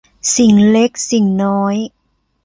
สิ่งเล็กสิ่งน้อย